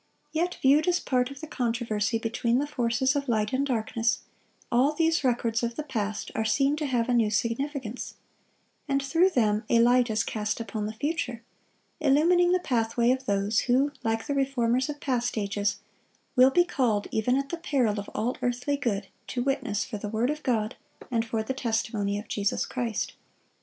Yet viewed as a part of the controversy between the forces of light and darkness, all these records of the past are seen to have a new significance; and through them a light is cast upon the future, illumining the pathway of those who, like the reformers of past ages, will be called, even at the peril of all earthly good, to witness "for the word of God, and for the testimony of Jesus Christ."